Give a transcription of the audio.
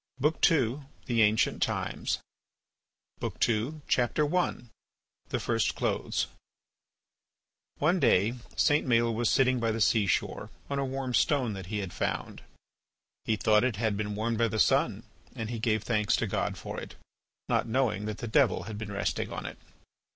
BOOK II. THE ANCIENT TIMES I. THE FIRST CLOTHES One day St. Maël was sitting by the seashore on a warm stone that he found. He thought it had been warmed by the sun and he gave thanks to God for it, not knowing that the Devil had been resting on it.